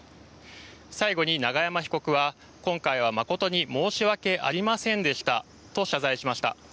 最後に永山被告は今回は誠に申し訳ありませんでしたと謝罪しました。